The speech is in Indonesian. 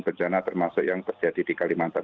bencana termasuk yang terjadi di kalimantan